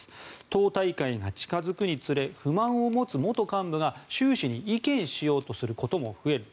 党大会が近づくにつれ不満を持つ元幹部が習氏に意見しようとすることも増える。